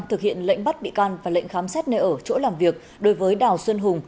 thực hiện lệnh bắt bị can và lệnh khám xét nơi ở chỗ làm việc đối với đào xuân hùng